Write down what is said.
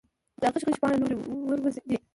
دا غشي غشي باڼه، لورې وروځې دي